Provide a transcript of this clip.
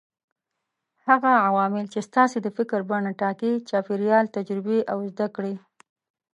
هغه عوامل چې ستاسې د فکر بڼه ټاکي: چاپېريال، تجربې او زده کړې.